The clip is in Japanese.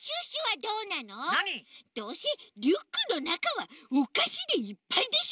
どうせリュックのなかはおかしでいっぱいでしょ！